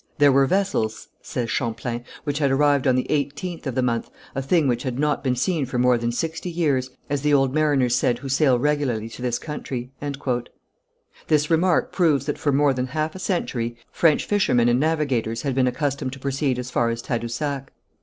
"There were vessels," says Champlain, "which had arrived on the 18th of the month, a thing which had not been seen for more than sixty years, as the old mariners said who sail regularly to this country." This remark proves that for more than half a century French fishermen and navigators had been accustomed to proceed as far as Tadousac.